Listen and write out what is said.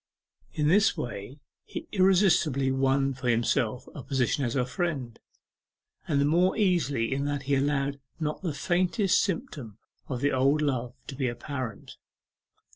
In this way he irresistibly won for himself a position as her friend, and the more easily in that he allowed not the faintest symptom of the old love to be apparent.